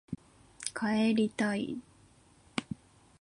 帰りたい